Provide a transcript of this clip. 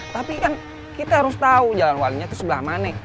tapi kan kita harus tahu jalan walinya itu sebelah mana